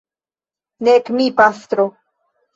Nek mi, pastro.